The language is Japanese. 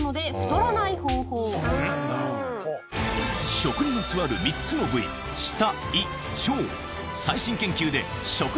食にまつわる３つの部位カズさん